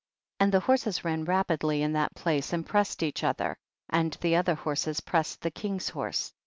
43. And the horses ran rapidly in that place and pressed each other, and the other horses pressed the king's horse.